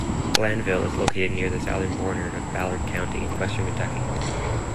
Blandville is located near the southern border of Ballard County in western Kentucky.